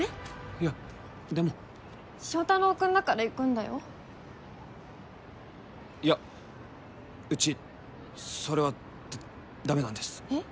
いやでも祥太郎君だから行くんだよいやうちそれはダメなんですえっ？